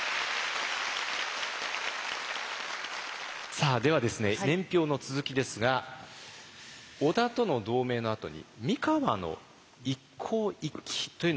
さあではですね年表の続きですが織田との同盟のあとに三河の一向一揆というのが起きています。